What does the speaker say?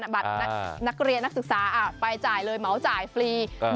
บัตรนักเรียนนักศึกษาไปจ่ายเลยเหมาจ่ายฟรี